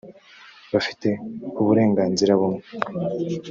bafite uburenganzira bumwe